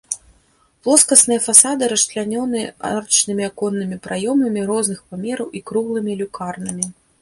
Плоскасныя фасады расчлянёны арачнымі аконнымі праёмамі розных памераў і круглымі люкарнамі.